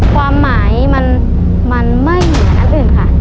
ความหมายมันไม่เหมือนอันอื่นค่ะ